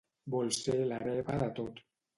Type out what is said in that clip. Vol ser l'hereva de tot.